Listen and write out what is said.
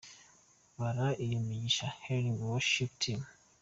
Bara iyo migisha- Healing worship team.